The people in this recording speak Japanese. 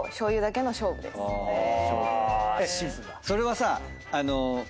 それはさあの。